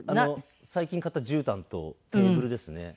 最近買ったじゅうたんとテーブルですね。